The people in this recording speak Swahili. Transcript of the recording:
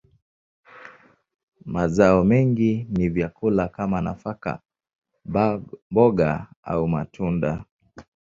Mazao mengi ni vyakula kama nafaka, mboga, au matunda.